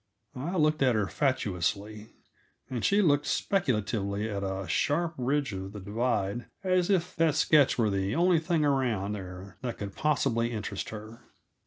I looked at her fatuously, and she looked speculatively at a sharp ridge of the divide as if that sketch were the only thing around there that could possibly interest her.